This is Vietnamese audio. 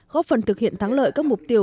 góp phần thực hiện thắng lợi các mục tiêu